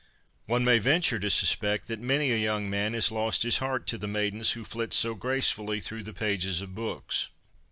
One may venture to suspect that many a young man has lost his heart to the maidens who flit so gracefully through the pages of books.